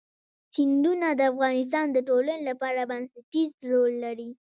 سیندونه د افغانستان د ټولنې لپاره بنسټيز رول لري.